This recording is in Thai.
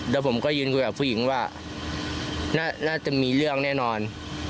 แล้วผมก็ยืนคุยกับผู้หญิงว่าน่าจะมีเรื่องแน่นอน